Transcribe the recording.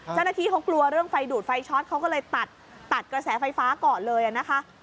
เจ้าหน้าที่เขากลัวเรื่องไฟดูดไฟช็อตเขาก็เลยตัดกระแสไฟฟ้าก่อนเลยนะคะ